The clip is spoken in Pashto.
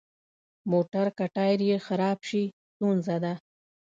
موټر که ټایر یې خراب شي، ستونزه ده.